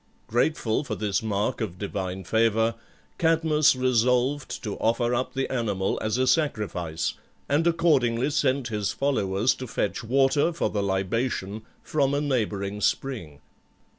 Grateful for this mark of divine favour, Cadmus resolved to offer up the animal as a sacrifice, and accordingly sent his followers to fetch water for the libation from a neighbouring spring.